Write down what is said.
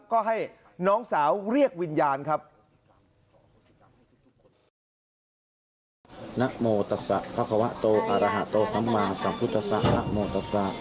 ก็ให้น้องสาวเรียกวิญญาณครับ